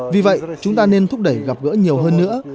vì vậy chúng ta nên thúc đẩy gặp gỡ nhiều hơn nữa